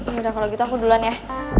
yaudah kalo gitu aku dulu ulan ya